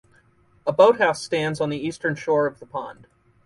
A boat house stands on the eastern shore of the pond.